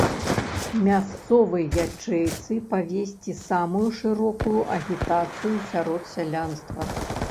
Мясцовай ячэйцы павесці самую шырокую агітацыю сярод сялянства.